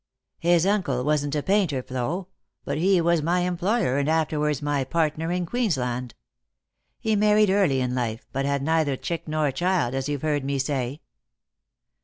" His uncle wasn't a painter, Flo ; but he was my employer, and afterwards my partner in Queensland. He married early in life, but had neither chick nor child, as you've heard me say.